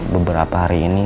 beberapa hari ini